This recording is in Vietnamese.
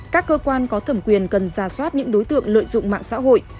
các cơ quan có thẩm quyền cần ra soát những đối tượng lợi dụng mạng xã hội